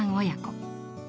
親子。